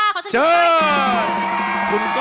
ขอเชิญคุณก้อยค่ะ